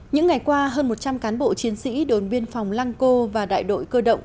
những ngày qua hơn một trăm linh cán bộ chiến sĩ đồn biên phòng lăng cô và đại đội cơ động